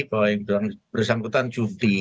bahwa yang bersangkutan jufri